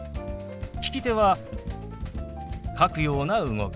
利き手は書くような動き。